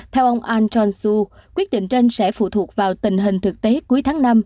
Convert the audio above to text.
theo ông ahn jong soo quyết định trên sẽ phụ thuộc vào tình hình thực tế cuối tháng năm